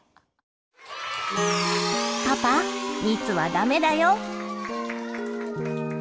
パパ密はダメだよ。